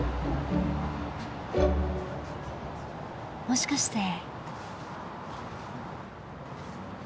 もしかして。